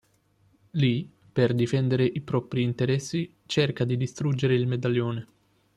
Lee, per difendere i propri interessi, cerca di distruggere il medaglione.